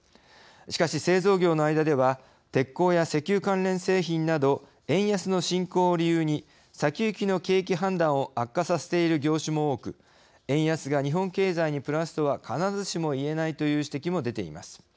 しかし、製造業の間では鉄鋼や石油関連製品など円安の進行を理由に先行きの景気判断を悪化させている業種も多く円安が日本経済にプラスとは必ずしも言えないという指摘も出ています。